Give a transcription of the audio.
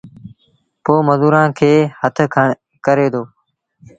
پو مزورآݩ کي هٿ ڪري دو